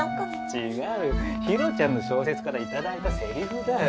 違うよ弘ちゃんの小説からいただいたセリフだよ。